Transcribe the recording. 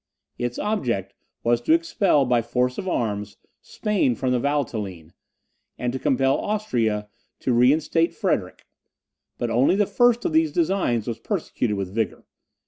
Its object was to expel, by force of arms, Spain from the Valtelline, and to compel Austria to reinstate Frederick; but only the first of these designs was prosecuted with vigour.